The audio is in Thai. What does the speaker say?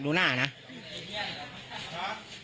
กลุ่มวัยรุ่นกลัวว่าจะไม่ได้รับความเป็นธรรมทางด้านคดีจะคืบหน้า